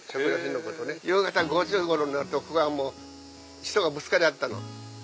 夕方５時ごろになるとここは人がぶつかり合ったの。